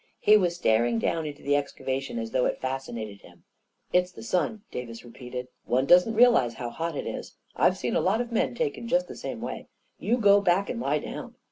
He was staring down into the excavation as though it fascinated him. " It's the sun," Davis repeated ;" one doesn't realize how hot it is. I've seen a lot of men taken just the same way. You go back and lie down."